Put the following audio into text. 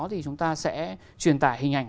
thì chúng ta sẽ truyền tải hình ảnh